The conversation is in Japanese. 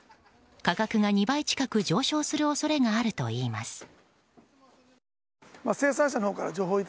価格が２倍近く上昇する恐れがあるといいます。